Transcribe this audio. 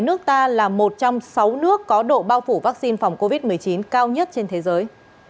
nước ta là một trong sáu nước có độ bao phủ vaccine phòng covid một mươi chín cao nhất trên thế giới